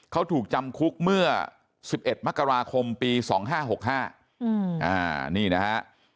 เขาถูกจำคุกเมื่อ๑๑มกราคมปี๒๕๖๕นี่นะฮะ